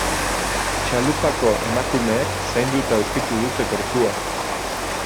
Txalupako emakumeek zainduta aurkitu dute gorpua.